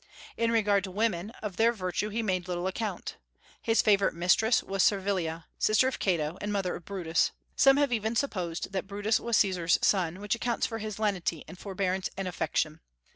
In regard to women, of their virtue he made little account. His favorite mistress was Servilia, sister of Cato and mother of Brutus. Some have even supposed that Brutus was Caesar's son, which accounts for his lenity and forbearance and affection.